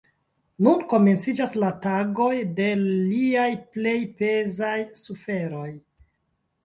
Nun komenciĝas la tagoj de liaj plej pezaj suferoj.